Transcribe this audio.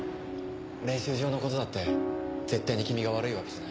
練習場の事だって絶対に君が悪いわけじゃない。